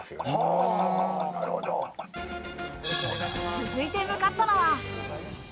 続いて向かったのは。